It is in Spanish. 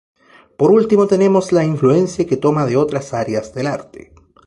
Por último tenemos la influencia que toma de otras áreas del arte.